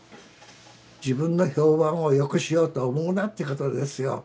自分の評判をよくしようと思うなということですよ。